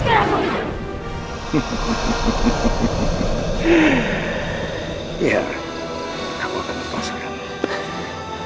ya aku akan memasukimu